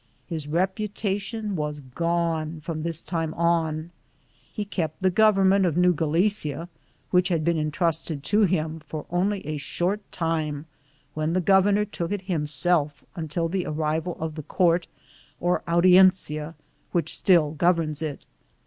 His reputation was gone from this time on. He kept the government of New Galicia, n, which had been entrusted to him, for only a short time, when the viceroy took it himself, until the arrival of the court, or audiencia, which still governs it.